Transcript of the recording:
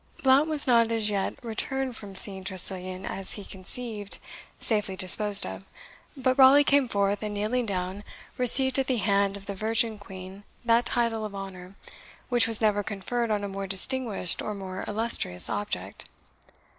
Blount was not as yet returned from seeing Tressilian, as he conceived, safely disposed of; but Raleigh came forth, and kneeling down, received at the hand of the Virgin Queen that title of honour, which was never conferred on a more distinguished or more illustrious object.